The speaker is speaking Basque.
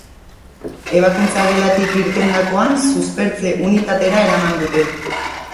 Ebakuntza-gelatik irtendakoan, suspertze unitatera eraman dute.